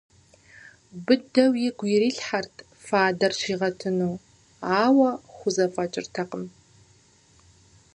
Быдэу игу ирилъхьэрт фадэр щигъэтыну, ауэ хузэфӏэкӏыртэкъым.